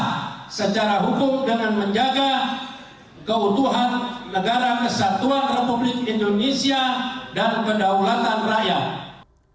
kita secara hukum dengan menjaga keutuhan negara kesatuan republik indonesia dan kedaulatan rakyat